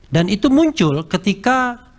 dan itu muncul ketika